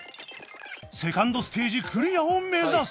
セカンドステージクリアを目指す